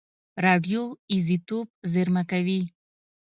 راډیو ایزوتوپ زېرمه کوي.